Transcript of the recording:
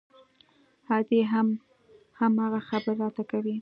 ادې هم هماغه خبرې راته کوي.